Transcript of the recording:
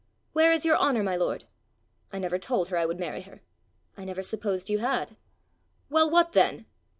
Where is your honour, my lord?" "I never told her I would marry her." "I never supposed you had." "Well, what then?"